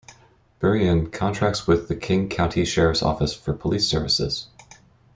Burien contracts with the King County Sheriff's Office for police services.